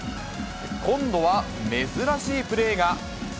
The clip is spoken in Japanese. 今度は珍しいプレーが。